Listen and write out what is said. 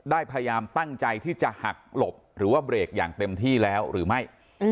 พยายามตั้งใจที่จะหักหลบหรือว่าเบรกอย่างเต็มที่แล้วหรือไม่